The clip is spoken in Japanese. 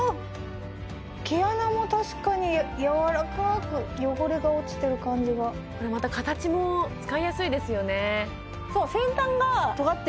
毛穴も確かにやわらかく汚れが落ちてる感じがこれまた形も使いやすいですよね